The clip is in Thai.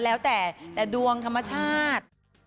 แล้วแต่แต่ดวงธรรมชาติ